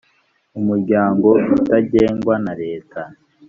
umuryango utagengwa na leta